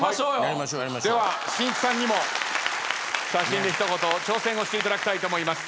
ではしんいちさんにも写真で一言挑戦をしていただきたいと思います。